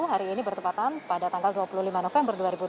hari ini bertepatan pada tanggal dua puluh lima november dua ribu dua puluh